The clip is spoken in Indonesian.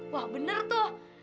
wah bener tuh